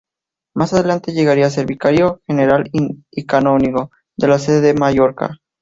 Más adelante llegaría a ser vicario general y canónigo de la Sede de Mallorca.